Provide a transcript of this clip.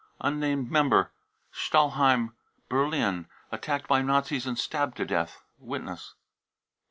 unnamed member! stahlhelm, Berlin, attacked by Nazis and stabbed to deat (Witness.)